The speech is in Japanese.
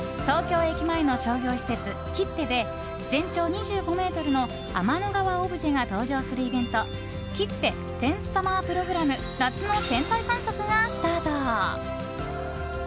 東京駅前の商業施設ＫＩＴＴＥで全長２５ｍの天の川オブジェが登場するイベント「ＫＩＴＴＥ１０ｔｈＳＵＭＭＥＲＰＲＯＧＲＡＭ夏の天体観測」がスタート。